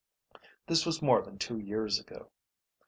This was more than two years ago.